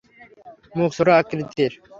মুখ ছোট আকৃতির।